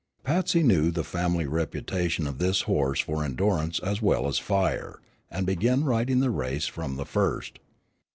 Patsy knew the family reputation of his horse for endurance as well as fire, and began riding the race from the first.